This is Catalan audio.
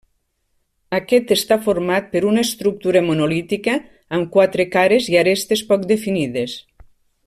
Aquest està format per una estructura monolítica amb quatre cares i arestes poc definides.